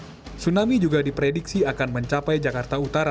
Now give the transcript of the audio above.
tsunami juga diprediksi akan mencapai jakarta utara